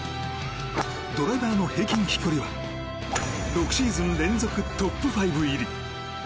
ドライバーの平均飛距離は６シーズン連続トップ５入り。